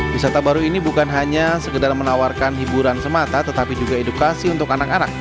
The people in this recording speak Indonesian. wisata baru ini bukan hanya sekedar menawarkan hiburan semata tetapi juga edukasi untuk anak anak